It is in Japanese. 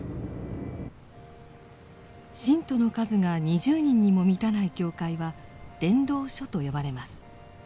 信徒の数が２０人にも満たない教会は伝道所と呼ばれます。